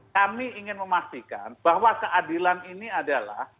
kami ingin memastikan bahwa keadilan ini adalah